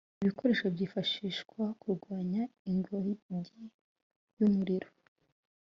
Ibi bikoresho byifashishwa kurwanya ingogi y’umuriro